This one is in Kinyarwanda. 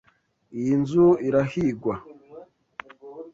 Iyi nzu irahigwa.